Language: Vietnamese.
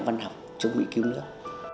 văn học chống mỹ cứu nước